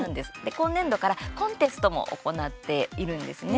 今年度からコンテストも行っているんですね。